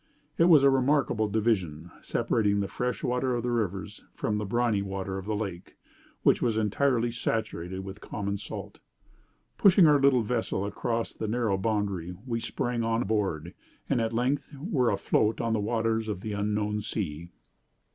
It was a remarkable division, separating the fresh water of the rivers from the briny water of the lake, which was entirely saturated with common salt. Pushing our little vessel across the narrow boundary, we sprang on board, and at length were afloat on the waters of the unknown sea.